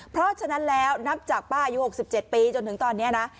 เพราะฉะนั้นแล้วนับจากป้าอายุ๖๗ปีจนถึงตอนนี้นะ